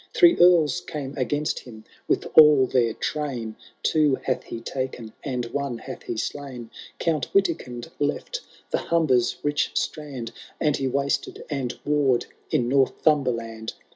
Three Earls came against him with all their trains Two hath he taken, and one hath he slain. Count Witikind left the Humberts rich strand. And he wasted and warr'*d in Northumberland.